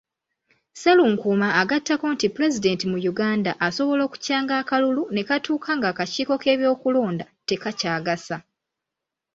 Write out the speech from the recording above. Serunkuma agattako nti pulezidenti mu Uganda asobola okukyanga akalulu nekatuuka nga akakiiko k’ebyokulonda tekakyagasa.